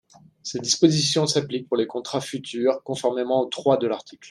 Ces dispositions s’appliquent pour les contrats futurs, conformément au trois de l’article.